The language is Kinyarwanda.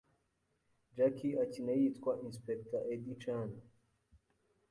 Jackie akina yitwa Inspector Eddie Chan